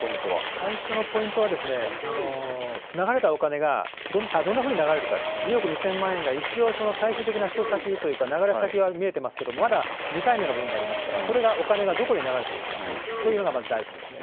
最初のポイントはですね、流れたお金が、どんなふうに流れるかですね、２億２０００万円が一応最終的な使途先というか、流れ先は見えてますけど、まだ２回目の部分がありますから、それが、お金がどこに流れているかというのが、まず第一ですね。